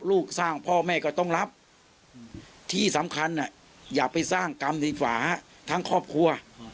ลูกสร้างพ่อแม่ก็ต้องรับที่สำคัญอย่าไปสร้างกรรมดีกว่าทั้งครอบครัว